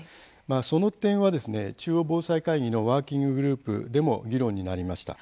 その点は中央防災会議のワーキンググループでも議論になりました。